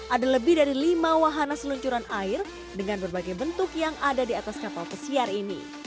ada lebih dari lima wahana seluncuran air dengan berbagai bentuk yang ada di atas kapal pesiar ini